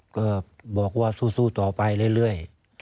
ก็บอกว่าสู้ต่อไปเรื่อย